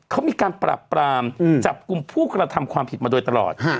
เขามีการปรับปรามจับกลุ่มผู้กระทำความผิดมาโดยตลอด